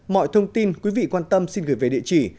mọi thông tin quý vị quan tâm xin gửi về địa chỉ